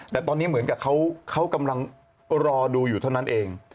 แต่ตอนนี้เหมือนกับเขากำลังรอดูอยู่เท่านั้นเอง